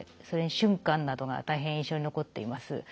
それに俊寛などが大変印象に残っています。